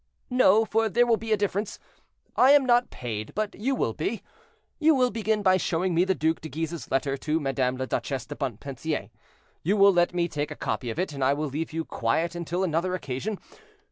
"No, for there will be a difference; I am not paid, but you will be. You will begin by showing me the Duc de Guise's letter to Madame la Duchesse de Montpensier; you will let me take a copy of it, and I will leave you quiet until another occasion.